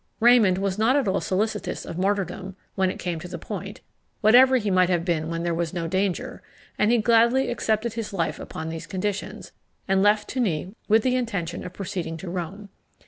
Raymond was not at all solicitous of martyrdom when it came to the point, whatever he might have been when there was no danger, and he gladly accepted his life upon these conditions, and left Tunis with the intention of proceeding to Rome.